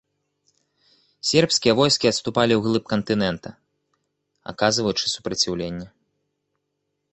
Сербскія войскі адступалі ўглыб кантынента, аказваючы супраціўленне.